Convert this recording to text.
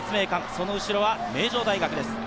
その後ろは名城大学です。